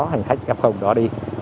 hành khách f đó đi